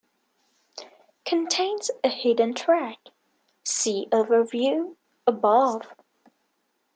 Contains a hidden track: see Overview, above.